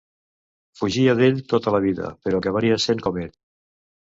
Fugia d'ell tota la vida, però acabaria sent com ell.